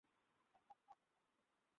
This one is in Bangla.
আমি মারা যাইনি!